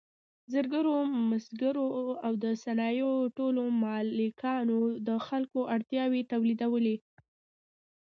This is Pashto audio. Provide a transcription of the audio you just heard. زرګرو، مسګرو او د صنایعو ټولو مالکانو د خلکو اړتیاوې تولیدولې.